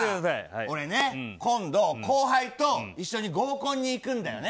俺ね今度、後輩と一緒に合コンに行くんだよね。